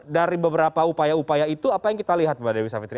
dari beberapa upaya upaya itu apa yang kita lihat mbak dewi savitri